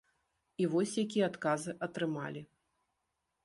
І вось якія адказы атрымалі.